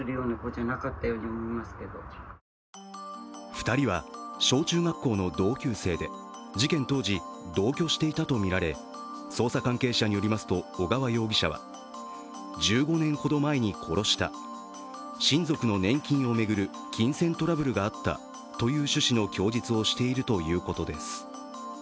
２人は小中学校の同級生で事件当時、同居していたとみられ捜査関係者によりますと小川容疑者は、１５年ほど前に殺した、親族の年金を巡る金銭トラブルがあったという趣旨の供述をしているということです。